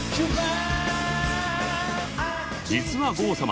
実は郷様